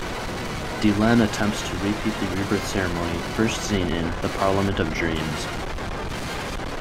Delenn attempts to repeat the Rebirth Ceremony first seen in "The Parliament of Dreams".